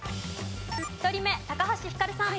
１人目橋ひかるさん。